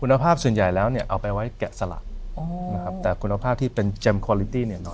ไม่แล้วถ้าเกิดตกใจก็หล่น